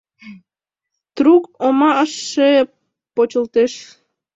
Трук омашше почылтеш...